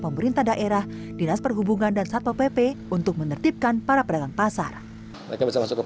pemerintah daerah dinas perhubungan dan satpop pp untuk menertibkan para pedagang pasar masalah